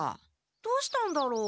どうしたんだろう？